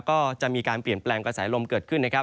ก็จะมีการเปลี่ยนแปลงกระแสลมเกิดขึ้นนะครับ